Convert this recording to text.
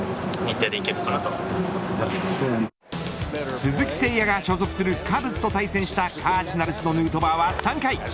鈴木誠也が所属するカブスと対戦したカージナルスのヌートバーは３回。